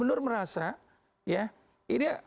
agar melakukan penyisiran